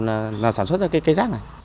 là sản xuất ra cái rác này